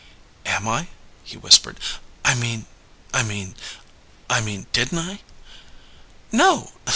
"Am I?" he whispered. "I mean I mean I mean: Didn't I?" "No!"